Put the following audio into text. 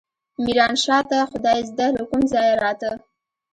ميرانشاه ته خدايزده له کوم ځايه راته.